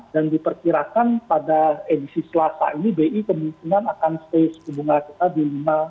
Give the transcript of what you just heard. dan diperkirakan pada edisi selasa ini bi kemungkinan akan stay suku bunga kita di lima tujuh puluh lima